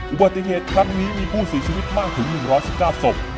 อุบัติเหตุครั้งนี้มีผู้เสียชีวิตมากถึง๑๑๙ศพ